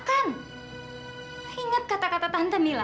jadi tante yakin mereka nggak akan bisa membantu permasahan kita mila